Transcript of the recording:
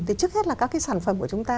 thì trước hết là các cái sản phẩm của chúng ta